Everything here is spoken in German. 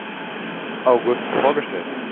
August vorgestellt.